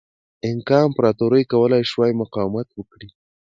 اینکا امپراتورۍ کولای شوای مقاومت وکړي.